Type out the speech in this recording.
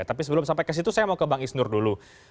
tapi sebelum sampai ke situ saya mau ke bang isnur dulu